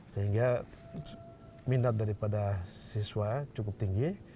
sehingga minat daripada siswa cukup tinggi